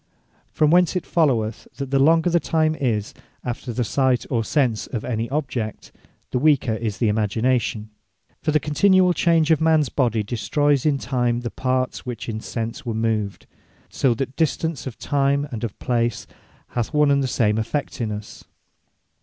From whence it followeth, that the longer the time is, after the sight, or Sense of any object, the weaker is the Imagination. For the continuall change of mans body, destroyes in time the parts which in sense were moved: So that the distance of time, and of place, hath one and the same effect in us.